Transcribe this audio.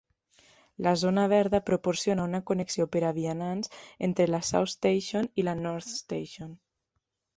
La zona verda proporciona una connexió per a vianants entre la South Station i la North Station.